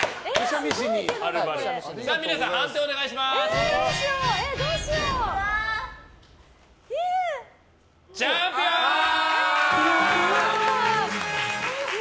皆さん、判定をお願いします。